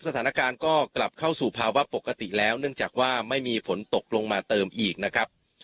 สถานการณ์ก็กลับเข้าสู่ภาวะปกติแล้วเนื่องจากว่าไม่มีฝนตกลงมาเติมอีกนะครับ